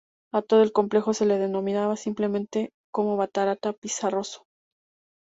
A todo el complejo se le denominaba simplemente como batará pizarroso.